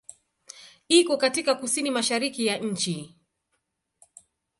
Iko katika kusini-mashariki ya nchi.